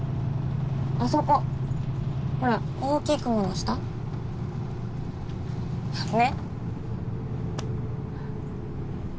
あそこほら大きい雲の下ねっ？